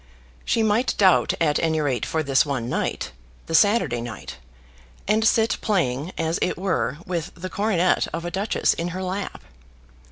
She might doubt at any rate for this one night, the Saturday night, and sit playing, as it were, with the coronet of a duchess in her lap.